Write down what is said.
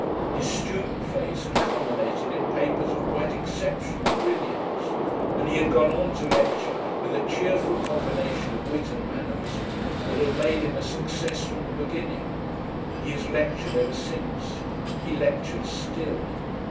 His student phase had culminated in papers of quite exceptional brilliance, and he had gone on to lecture with a cheerful combination of wit and mannerism that had made him a success from the beginning. He has lectured ever since. He lectures still.